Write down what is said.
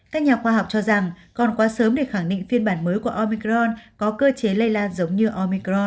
các nhà khoa học cho rằng còn quá sớm để khẳng định phiên bản mới của omicron có cơ chế lây lan giống như omicron